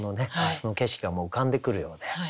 その景色がもう浮かんでくるようで。